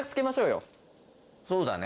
そうだね。